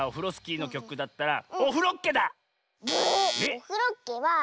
「オフロッケ！」は。